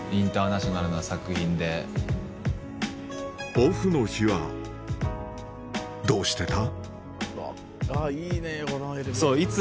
オフの日はどうしてた？